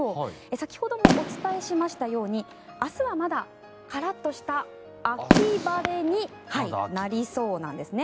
先ほどもお伝えしましたように明日はまだカラッとした秋晴れになりそうなんですね。